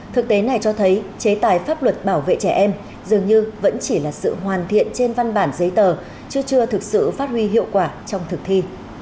thực tế này cho thấy chế tài pháp luật bảo vệ trẻ em dường như vẫn chỉ là sự hoàn thiện trên văn bản giấy tờ chứ chưa thực sự phát huy hiệu quả trong thực thi